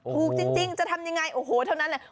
ถูกจริงจะทำยังไงโอ้โหเท่านั้นแหละ